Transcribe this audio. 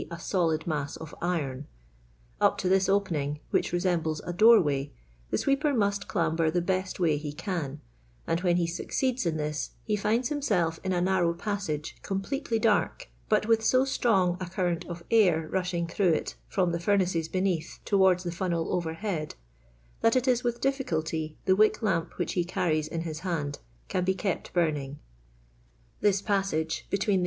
a solid mass of iron; up to this opening, which resembles a doorway, the sweeper must clamber the best way he can, and when he succeeds in this he finds himself in a narrow passage completely dark, but with so strong a current of air rushing through it from the fur naces beneath towards the funnel overhead that it is with difficulty the wick lamp which he carries in his hand can be kept burning. This passage, between the